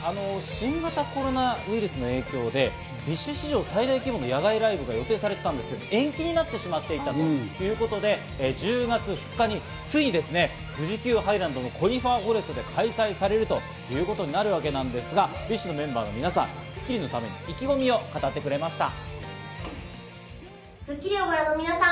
新型コロナウイルスの影響でＢｉＳＨ史上最大規模の野外ライブが予定されていたんですが、延期になってしまっていたということで、１０月２日についに富士急ハイランドのコニファーフォレストで開催されるということになるわけなんですが、ＢｉＳＨのメンバーの皆さん、『スッキリ』のために意気込みを語ってくれました。